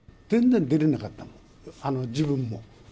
全然出れなかった、自分も。